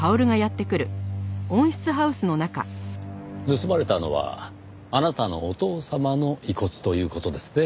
盗まれたのはあなたのお父様の遺骨という事ですね？